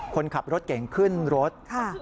คนขับรถเก่งขึ้นรถ